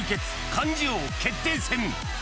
漢字王決定戦。